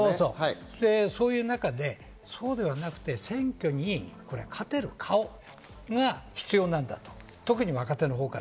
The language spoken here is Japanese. そうではなくて選挙に勝てる顔が必要なんだと。